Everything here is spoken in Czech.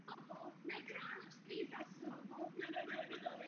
Jsme stále ve fázi prvního čtení.